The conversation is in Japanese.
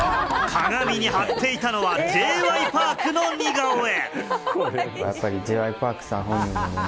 鏡に貼っていたのはＪ．Ｙ．Ｐａｒｋの似顔絵。